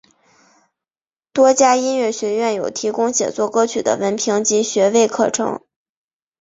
多家音乐学院有提供写作歌曲的文凭及学位课程。